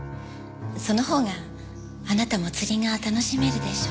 そのほうがあなたも釣りが楽しめるでしょ？